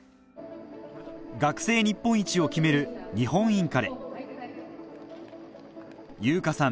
学生日本一を決める日本インカレ優花さん